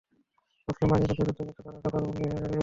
মুসলিম বাহিনীর পক্ষে যুদ্ধ করতে তারা কাতার বন্দী হয়ে দাঁড়িয়ে ছিল।